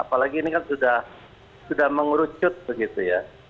apalagi ini kan sudah mengerucut begitu ya